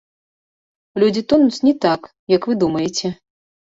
Людзі тонуць не так, як вы думаеце.